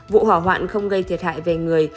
vụ hỏa hoạn không gây thiệt hại về người